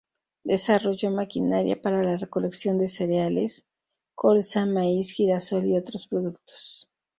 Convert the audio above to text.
Desarrolló maquinaria para la recolección de cereales, colza, maíz, girasol y otros productos.